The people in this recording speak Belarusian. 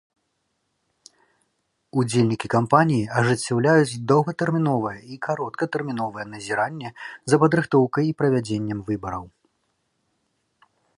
Удзельнікі кампаніі ажыццяўляюць доўгатэрміновае і кароткатэрміновае назіранне за падрыхтоўкай і правядзеннем выбараў.